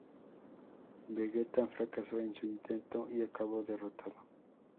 Vegeta fracasó en su intento y acabó derrotado.